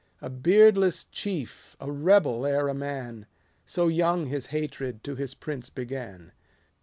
A beardless chief, a rebel, e'er a man : So young his hatred to his prince began.